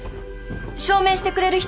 証明してくれる人は？